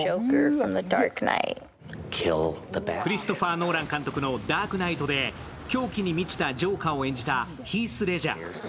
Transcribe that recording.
クリストファー・ノーラン監督の「ダークナイト」で狂気に満ちたジョーカーを演じたヒース・レジャー。